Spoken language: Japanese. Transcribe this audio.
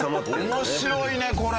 面白いねこれ。